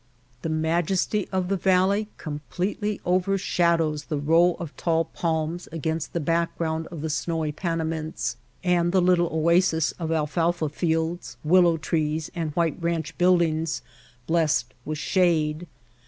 The majesty of the valley completely overshadows the row of tall palms against the background of the snowy Panamints, and the little oasis of alfalfa fields, willow trees, and white ranch buildings blessed with shade.